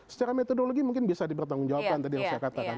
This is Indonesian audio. secara metodologi mungkin bisa dipertanggungjawabkan tadi yang saya katakan